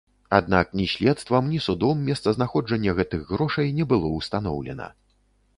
Аднак ні следствам, ні судом месцазнаходжанне гэтых грошай не было ўстаноўлена.